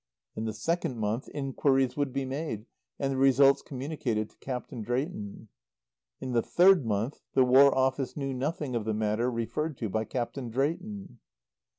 In the second month inquiries would be made and the results communicated to Captain Drayton. In the third month the War Office knew nothing of the matter referred to by Captain Drayton.